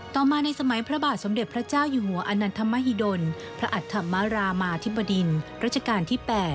ต่อมาในสมัยพระบาทสมเด็จพระเจ้าอยู่หัวอนันทมหิดลพระอัตธรรมรามาธิบดินรัชกาลที่๘